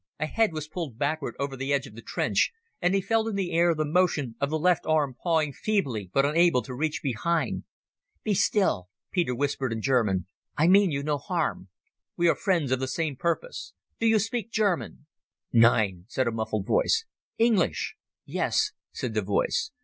A head was pulled backward over the edge of the trench, and he felt in the air the motion of the left arm pawing feebly but unable to reach behind. "Be still," whispered Peter in German; "I mean you no harm. We are friends of the same purpose. Do you speak German?" "Nein," said a muffled voice. "English?" "Yes," said the voice.